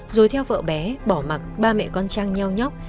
rồi theo vợ bé bỏ mặt ba mẹ con trang nhau nhóc